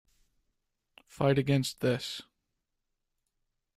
Fight against this.